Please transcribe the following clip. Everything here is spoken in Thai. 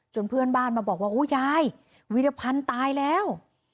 เพื่อนบ้านมาบอกว่าโอ้ยายวีรพันธ์ตายแล้ว